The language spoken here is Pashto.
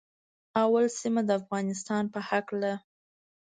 اول سیمه د افغانستان په هکله